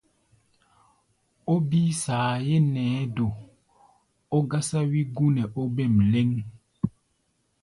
Ó bíí saayé nɛɛ́ do, ó gásáwí gú nɛ ó bêm lɛ́ŋ.